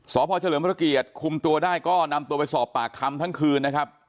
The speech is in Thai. สพเฉลิมพระเกียรติคุมตัวได้ก็นำตัวไปสอบปากคำทั้งคืนนะครับ